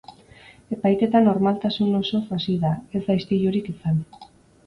Epaiketa normaltasun osoz hasi da, ez da istilurik izan.